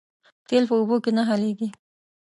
تیل په اوبو کې نه حل کېږي